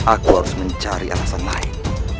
aku harus mencari alasan lain